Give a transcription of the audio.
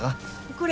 これ。